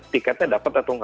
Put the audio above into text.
tiketnya dapat atau tidak